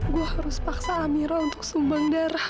gue harus paksa amiro untuk sumbang darah